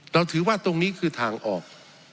เราถือว่าตรงนี้คือทางออก